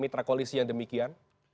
mitra koalisi yang demikian